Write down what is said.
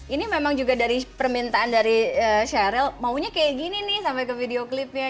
ini memang juga dari permintaan dari sheryl maunya kayak gini nih sampai ke video klipnya